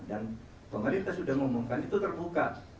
dan pemerintah sudah ngomongkan itu terbuka